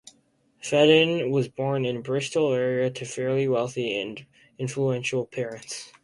Fedden was born in the Bristol area to fairly wealthy and influential parents.